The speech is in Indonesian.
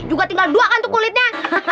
juga tinggal dua kan tuh kulitnya